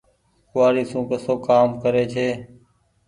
ڪوُوآڙي سون ڪسو ڪآم ڪري ڇي۔